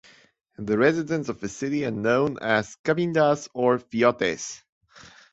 The residents of the city are known as "Cabindas" or "Fiotes".